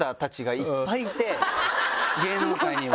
芸能界には。